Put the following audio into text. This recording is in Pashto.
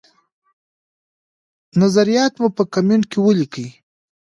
نظریات مو په کمنټ کي ولیکئ.